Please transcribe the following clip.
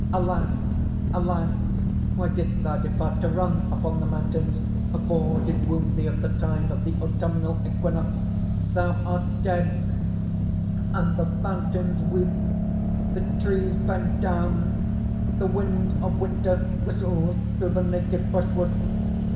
"Alas! alas Why didst thou depart, to run upon the mountains! A boar did wound thee at the time of the autumnal equinox! "Thou art dead; and the fountains weep, the trees bend down. The wind of winter whistles through the naked brushwood.